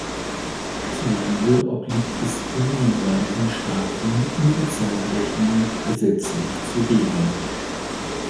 Zu Lande obliegt es den jeweiligen Staaten, ihre Zeitrechnung gesetzlich zu regeln.